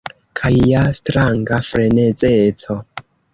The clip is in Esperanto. Kaj ja stranga frenezeco.